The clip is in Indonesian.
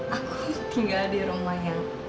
aku tinggal di rumah yang